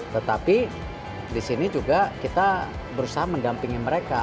tetapi disini juga kita berusaha menggampingi mereka